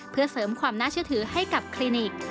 เพื่อเสริมความน่าเชื่อถือให้กับคลินิก